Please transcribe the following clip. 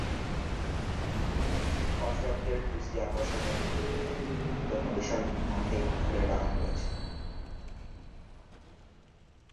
পর্যটকদের দৃষ্টি আকর্ষণের জন্য বিশাল মাঠে ফুলের বাগান রয়েছে।